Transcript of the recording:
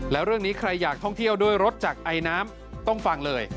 แล้วเรื่องนี้ใครอยากท่องเที่ยวด้วยรถจากไอน้ำต้องฟังเลย